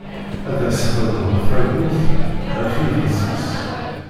Ad s-txedmeḍ tabburt ɣef yidis-is.